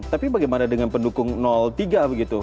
tapi bagaimana dengan pendukung tiga begitu